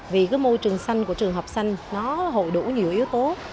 vì cái môi trường xanh của trường học xanh nó hội đủ nhiều yếu tố